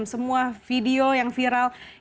semua video yang viral gitu kan